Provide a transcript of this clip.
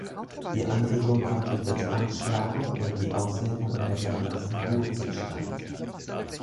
Die Anregung kommt durch das Anschlagen oder die Auslenkung einer Saite aus dem Ruhezustand.